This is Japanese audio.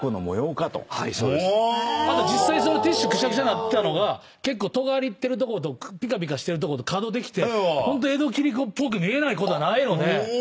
実際ティッシュくしゃくしゃなってたのがとがってるとことピカピカしてるとこと角できてホント江戸切子っぽく見えないことはないので。